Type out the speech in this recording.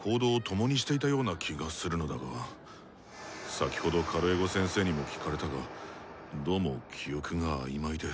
先ほどカルエゴ先生にも聞かれたがどうも記憶が曖昧で。